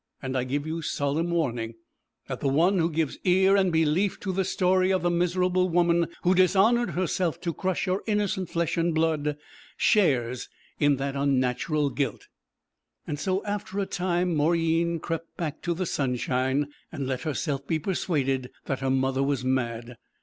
And I give you solemn warning that the one who gives ear and belief to the story of the miserable woman who dishonoured herself to crush her innocent flesh and blood, shares in that unnatural guilt.' So after a time Mauryeen crept back to the sunshine, and let herself be persuaded that her mother was mad.